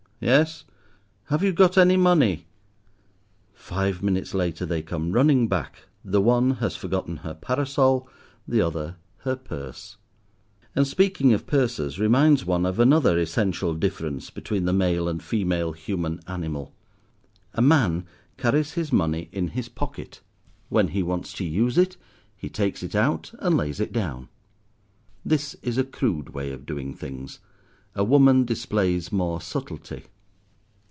"Yes." "Have you got any money?" Five minutes later they come running back; the one has forgotten her parasol, the other her purse. And speaking of purses, reminds one of another essential difference between the male and female human animal. A man carries his money in his pocket. When he wants to use it, he takes it out and lays it down. This is a crude way of doing things, a woman displays more subtlety.